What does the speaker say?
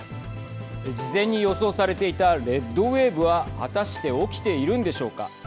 事前に予想されていたレッド・ウェーブは果たして起きているんでしょうか。